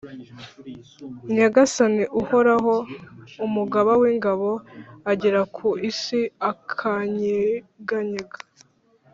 nyagasani uhoraho, umugaba w’ingabo, agera ku isi ikanyeganyega,